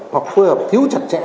hoặc phối hợp thiếu chặt chẽ